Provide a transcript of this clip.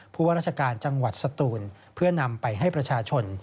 ผู้ว่าราชการจังหวัดสตูนเพื่อนำไปให้ประชาชน